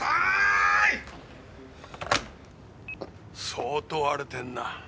相当荒れてるなぁ。